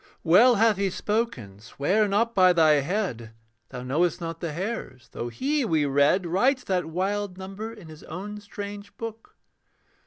Well hath He spoken: 'Swear not by thy head, Thou knowest not the hairs,' though He, we read, Writes that wild number in his own strange book.